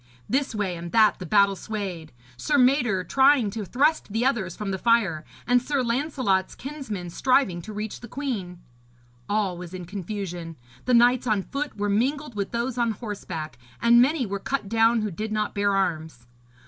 This way and that the battle swayed; Sir Mador trying to thrust the others from the fire, and Sir Lancelot's kinsmen striving to reach the queen. All was in confusion; the knights on foot were mingled with those on horseback, and many were cut down who did not bear arms.